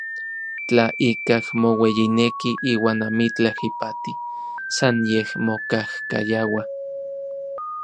Tla ikaj moueyineki iuan amitlaj ipati, san yej mokajkayaua.